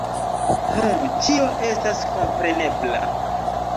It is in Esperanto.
Nu, ĉio estas komprenebla.